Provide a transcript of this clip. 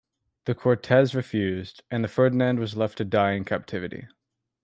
The Cortes refused, and Ferdinand was left to die in captivity.